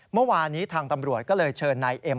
เมื่อวานนี้ทางตำรวจก็เลยเชิญนายเอ็ม